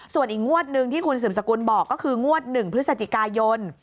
ส่วนอีกงวดนึงที่คุณศึมศกุลบอกก็คืองวดหนึ่งพฤศจิกายน